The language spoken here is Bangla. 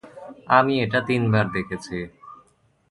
আমি এটা তিনবার দেখেছি।